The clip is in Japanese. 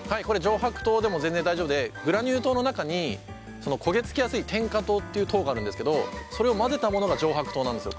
白糖でも全然大丈夫でグラニュー糖の中に焦げつきやすい転化糖っていう糖があるんですけどそれを混ぜたものが上白糖なんですよ。